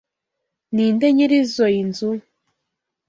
Ninde nyiri izoi nzu?